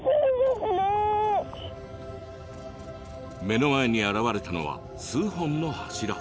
目の前に現れたのは数本の柱。